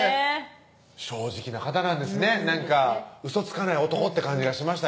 正直な方なんですねなんかウソつかない男って感じがしました